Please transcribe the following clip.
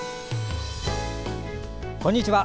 こんにちは。